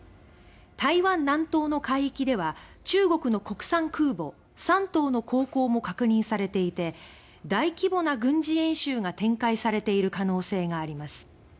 台湾南東の海域では中国の国産空母「山東」の航行も確認されていて大規模な軍事演習が展開されている可能性があります